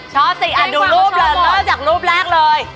ชอบสิดูรูปเลยเริ่มจากรูปแรกเลย